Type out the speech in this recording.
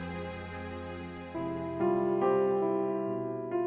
saya juga harus menganggur sambil berusaha mencari pekerjaan